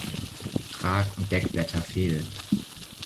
Trag- und Deckblätter fehlen.